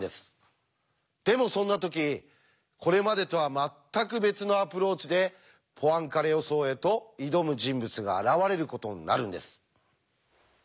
でもそんな時これまでとは全く別のアプローチでポアンカレ予想へと挑む人物が現れることになるんです。